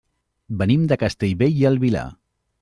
Venim de Castellbell i el Vilar.